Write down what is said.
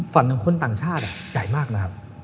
ของคนต่างชาติใหญ่มากนะครับ